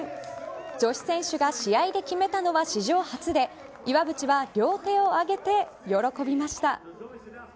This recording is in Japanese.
女子選手が試合で決めたのは史上初で岩渕は両手を上げて喜びました。